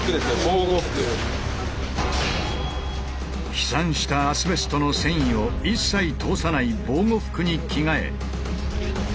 飛散したアスベストの繊維を一切通さない防護服に着替え。